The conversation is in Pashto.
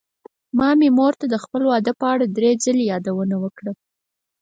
ما مې مور ته د خپل واده په اړه دری ځلې يادوونه وکړه.